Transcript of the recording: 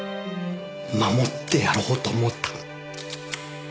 守ってやろうと思った。